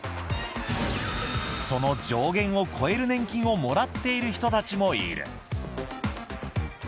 その上限を超える年金をもらっている人たちもいる。